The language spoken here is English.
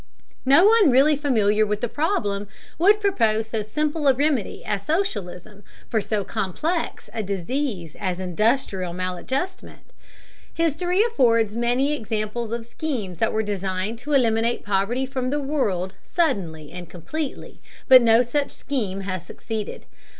No one really familiar with the problem would propose so simple a remedy as socialism for so complex a disease as industrial maladjustment. History affords many examples of schemes that were designed to eliminate poverty from the world suddenly and completely, but no such scheme has succeeded.